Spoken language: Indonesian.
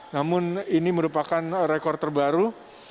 namun ini merupakan rekor terbaru